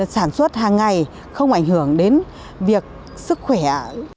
sản xuất hàng ngày không ảnh hưởng đến việc sức khỏe